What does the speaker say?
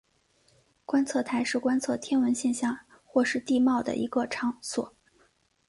观测台是观测天文现象或是地貌的一个场所。